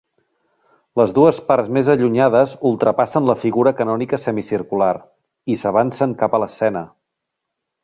Les dues parts més allunyades ultrapassen la figura canònica semicircular, i s'avancen cap a l'escena.